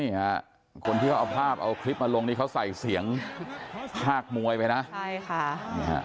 นี่ฮะคนที่เขาเอาภาพเอาคลิปมาลงนี่เขาใส่เสียงภาคมวยไปนะใช่ค่ะ